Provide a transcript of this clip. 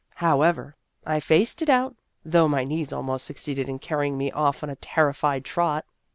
However, I faced it out, though my knees almost succeeded in carrying me off on a terrified trot.